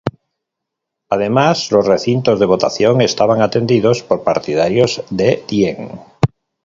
Además los recintos de votación estaban atendidos por partidarios de Diem.